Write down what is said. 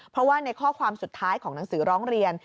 เพราะว่าในข้อความสุดท้ายของหนังสือร้องเรียน